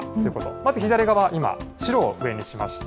まず左側、今、白を上にしました。